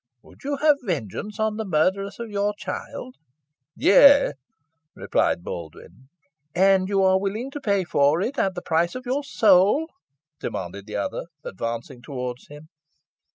Would you have vengeance on the murtheress of your child?" "Yeigh," rejoined Baldwyn. "And you are willing to pay for it at the price of your soul?" demanded the other, advancing towards him.